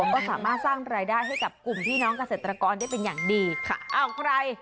ก็สามารถสร้างรายได้ให้กับกลุ่มพี่น้องเกษตรกรได้เป็นอย่างดีค่ะอ้าวใคร